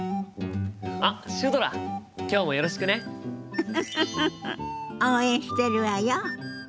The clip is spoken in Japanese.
ウフフフフ応援してるわよ。